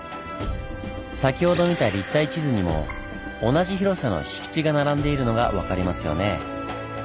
先ほど見た立体地図にも同じ広さの敷地が並んでいるのが分かりますよね。